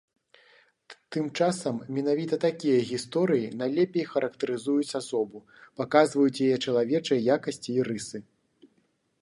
Тым часам, менавіта такія гісторыі найлепей характарызуюць асобу, паказваюць яе чалавечыя якасці і рысы.